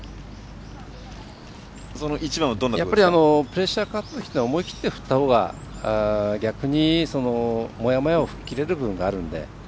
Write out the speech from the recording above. やっぱりプレッシャーかかってるときは思い切って振ったほうが逆に、もやもやも吹っ切れる部分があるので。